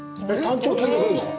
タンチョウが飛んでくるんですか？